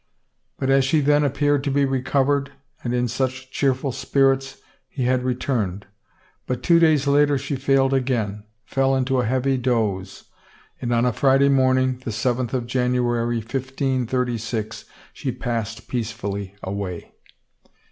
But as she then appeared so recovered and in such cheerful spirits he had returned. But two days later she failed again, fell into a heavy doze, and on a Friday morning, the seventh of January, 1536, she passed peacefully away.